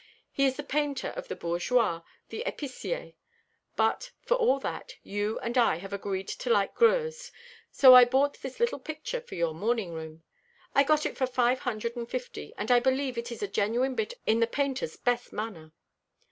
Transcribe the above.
He is the painter of the bourgeois, the épicier. But, for all that, you and I have agreed to like Greuze; so I bought this little picture for your morning room. I got it for five hundred and fifty, and I believe it is a genuine bit in the painter's best manner."